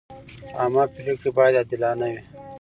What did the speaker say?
عامه پریکړې باید عادلانه وي.